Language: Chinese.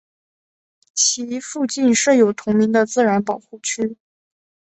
其附近设有同名的自然保护区。